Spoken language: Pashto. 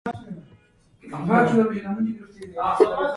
نیمه شپه شوه، په وږو ګېډو اصفهان راباندې نیسي؟